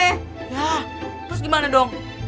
yah terus gimana dong